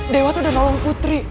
dewa tuh udah nolong putri